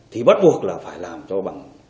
thì bắt buộc là phải làm cho bằng